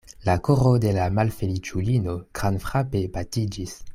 La koro de la malfeliĉulino grandfrape batiĝis.